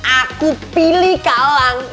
aku pilih kak elang